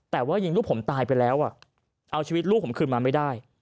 แต่ว่ายิงลูกผมตายไปแล้วเอาชีวิตลูกผมคืนมาไม่ได้